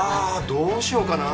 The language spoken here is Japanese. どうしようかな？